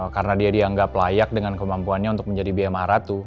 karena dia dianggap layak dengan kemampuannya untuk menjadi bma maharatu